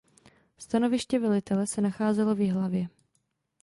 Stanoviště velitele se nacházelo v Jihlavě.